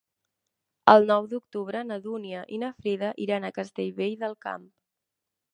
El nou d'octubre na Dúnia i na Frida iran a Castellvell del Camp.